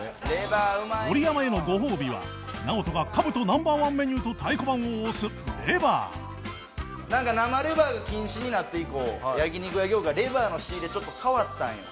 盛山へのご褒美はナオトが兜 Ｎｏ．１ メニューと太鼓判を押すレバーなんか生レバーが禁止になって以降焼肉屋業界レバーの仕入れちょっと変わったんよ。